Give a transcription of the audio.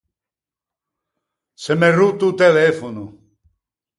Se m’é rotto o telefono.